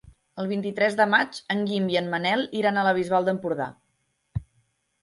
El vint-i-tres de maig en Guim i en Manel iran a la Bisbal d'Empordà.